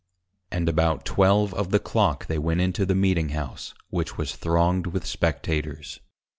_ And about Twelve of the Clock they went into the Meeting House, which was thronged with Spectators.